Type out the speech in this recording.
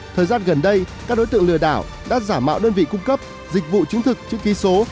thời gian gần đây các đối tượng lừa đảo đã giả mạo đơn vị cung cấp dịch vụ chứng thực chữ ký số